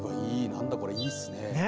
何だこれいいっすね。ね？